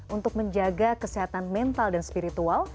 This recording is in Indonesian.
untuk menjaga kesehatan mental dan spiritual